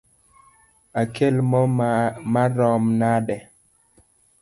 Akel moo marom nade?